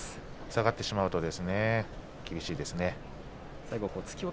下がってしまいますとね厳しいですね。